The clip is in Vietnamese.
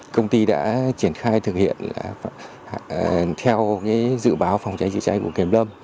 công ty đã triển khai thực hiện theo dự báo phòng cháy chữa cháy của kiểm lâm